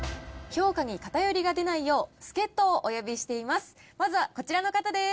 評価に偏りが出ないよう、助っ人をお呼びしています。